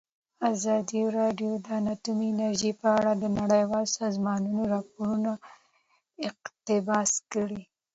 ازادي راډیو د اټومي انرژي په اړه د نړیوالو سازمانونو راپورونه اقتباس کړي.